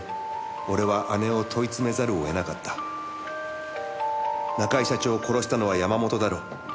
「俺は姉を問い詰めざるを得なかった」「中井社長を殺したのは山本だろ。